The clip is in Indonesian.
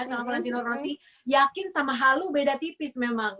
sama valentino rossi yakin sama halu beda tipis memang